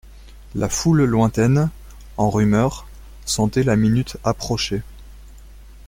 La foule lointaine, en rumeur, sentait la minute approcher.